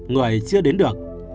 người chưa đến được